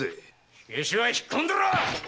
火消しは引っ込んでろ！